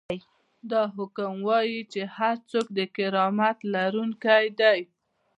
دا حکم وايي چې هر څوک د کرامت لرونکی دی.